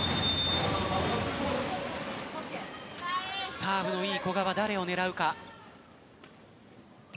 サーブのいい古賀は誰を狙うか。